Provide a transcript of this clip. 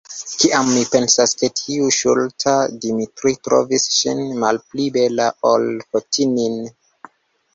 Kiam mi pensas, ke tiu stulta Dimitri trovis ŝin malpli bela, ol Fotini'n!